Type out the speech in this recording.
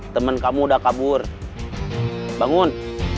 temen kamu udah kabur bangun